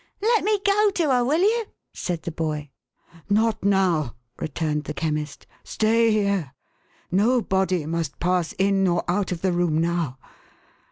" Let me go to her, will you ?" said the boy. " Not now,1' returned the Chemist. " Stay here. Nobody must pass in or out of the room now.